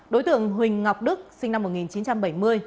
đối tượng huỳnh ngọc đức sinh năm một nghìn chín trăm bảy mươi